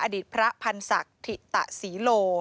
อดีตพระพันธ์ศักดิ์ถิตศรีโล